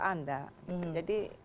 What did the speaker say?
a enggak jadi